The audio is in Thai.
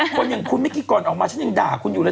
คนอย่างคุณเมื่อกี้ก่อนออกมาฉันยังด่าคุณอยู่เลย